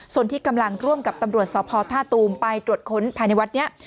ส่วนที่กำลังร่วมกับตำรวจสพท่าตูมไปตรวจค้นภายในวัดนี้